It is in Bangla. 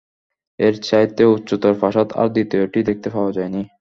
এর চাইতে উচ্চতর প্রাসাদ আর দ্বিতীয়টি দেখতে পাওয়া যায়নি।